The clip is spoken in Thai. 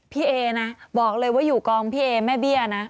เอนะบอกเลยว่าอยู่กองพี่เอแม่เบี้ยนะ